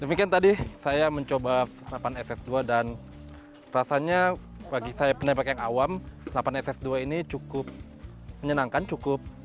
demikian tadi saya mencoba senapan ss dua dan rasanya bagi saya penembak yang awam senapan ss dua ini cukup menyenangkan cukup